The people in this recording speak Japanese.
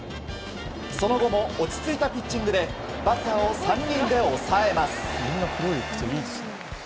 その後も落ち着いたピッチングでバッターを３人で抑えます。